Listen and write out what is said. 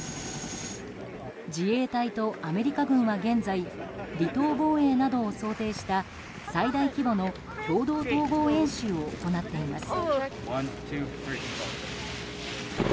自衛隊とアメリカ軍は、現在離島防衛などを想定した最大規模の共同統合演習を行っています。